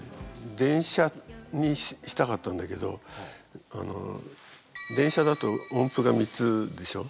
電車にしたかったんだけど電車だと音符が３つでしょ？